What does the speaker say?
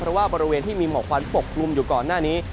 เพราะว่าบริเวณที่มีหมอกควันปกกลุ่มอยู่ก่อนหน้านี้